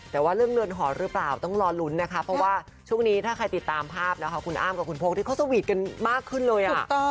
แต่ว่าเรื่องเรือนหอหรือเปล่าต้องรอลุ้นนะคะเพราะว่าช่วงนี้ถ้าใครติดตามภาพนะคะคุณอ้ามกับคุณโพกที่เขาสวีทกันมากขึ้นเลย